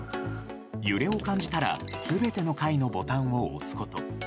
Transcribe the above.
揺れを感じたら全ての階のボタンを押すこと。